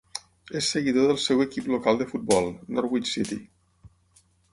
És seguidor del seu equip local de futbol, Norwich City.